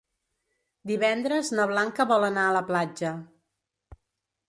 Divendres na Blanca vol anar a la platja.